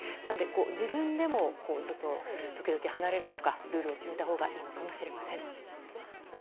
自分でも時々離れるとかルールを決めたほうがいいのかもしれません。